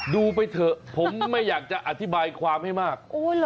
ดูไปเถอะผมไม่อยากจะอธิบายความให้มาก